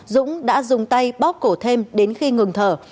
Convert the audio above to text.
dũng đã dùng tay bóp cổ thêm đến khi ngừng thở